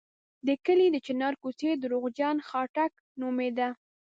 د کلي د چنار کوڅې درواغجن خاټک نومېده.